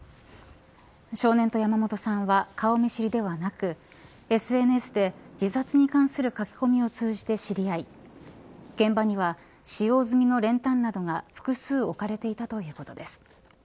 少年と山本さんは顔見知りではなくＳＮＳで自殺に関する書き込みを通じて知り合い現場には使用済みの練炭などが複数置かれていたということです。